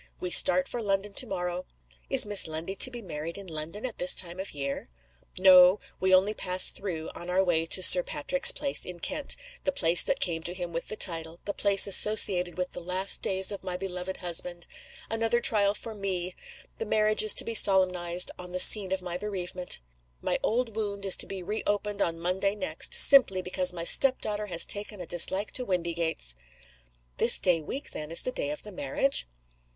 We start for London to morrow." "Is Miss Lundie to be married in London at this time of year?" "No. We only pass through, on our way to Sir Patrick's place in Kent the place that came to him with the title; the place associated with the last days of my beloved husband. Another trial for me! The marriage is to be solemnized on the scene of my bereavement. My old wound is to be reopened on Monday next simply because my step daughter has taken a dislike to Windygates." "This day week, then, is the day of the marriage?"